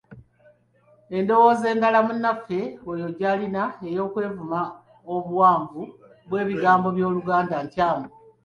Endowooza endala munnaffe oyo gy'alina ey’okwevuma obuwanvu bw’ebigambo by’Oluganda nkyamu.